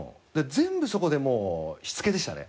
全部そこでしつけでしたね。